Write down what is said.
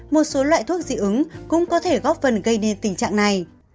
một số loại thuốc dị ứng cũng có thể góp phần gây nên tình trạng này